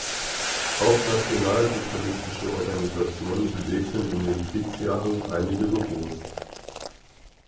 Auch nationalsozialistische Organisationen belegten in den Kriegsjahren einige Büros.